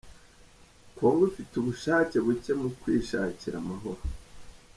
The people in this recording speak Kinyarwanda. Congo ifite ubushake buke mu kwishakira amahoro